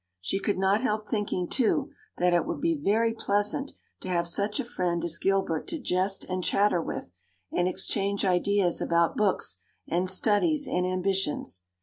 She could not help thinking, too, that it would be very pleasant to have such a friend as Gilbert to jest and chatter with and exchange ideas about books and studies and ambitions.